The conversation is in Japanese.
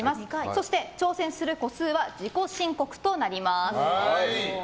そして、挑戦する個数は自己申告となります。